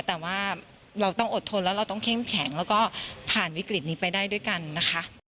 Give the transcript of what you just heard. แต่ว่าเราต้องอดทนแล้วเราต้องเข้มแข็งแล้วก็ผ่านวิกฤตนี้ไปได้ด้วยกันนะคะ